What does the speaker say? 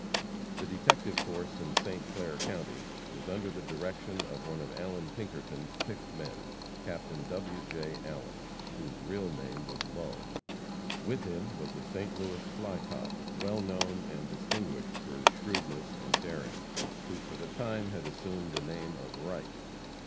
The detective force in St. Clair county was under the direction of one of Allan Pinkerton's picked men, Captain W. J. Allen, whose real name was Lull. With him was a St. Louis "fly cop," well known, and distinguished for his shrewdness and daring, who for the time had assumed the name of Wright.